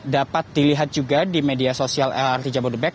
dapat dilihat juga di media sosial lrt jabodebek